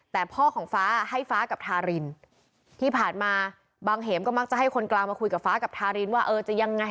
แต่พ่อของฟ้าให้ฟ้ากับทารินที่ผ่านมาบางเหมก็มักจะให้คนกลางมาคุยกับฟ้ากับทารินว่าเออจะยังไง